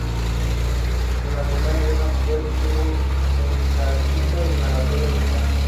En la Primera Guerra Mundial estuvo en Galitzia y en la Batalla del Somme.